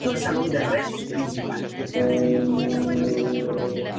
Las especies que lo pueblan son propias del bosque del clima mediterráneo.